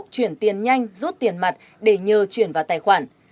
chuyển tiền nhanh rút tiền mặt để nhờ chuyển vào tài khoản